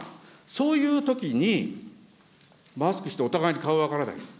そういうときに、マスクして、お互いに顔分からない。